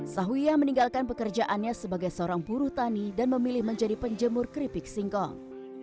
sahwiyah meninggalkan pekerjaannya sebagai seorang buruh tani dan memilih menjadi penjemur keripik singkong